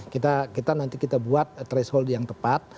kita nanti kita buat threshold yang tepat